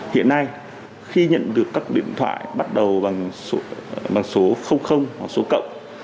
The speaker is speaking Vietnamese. hiện nay khi nhận được các điện thoại bắt đầu bằng số hoặc số cộng